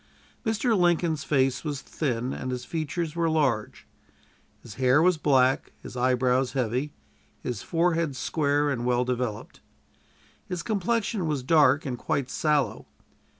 Mr. Lincoln's face was thin, and his features were large. His hair was black, his eyebrows heavy, his forehead square and well developed. His complexion was dark and quite sallow.